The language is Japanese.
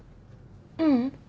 ううん。